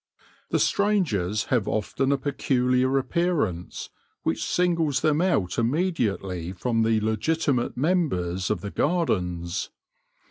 The strangers have often a peculiar appearance, which singles them out immediately from the legitimate members of the gardens.